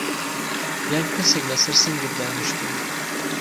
یان کەسێک لەسەر سنگت دانیشتووه؟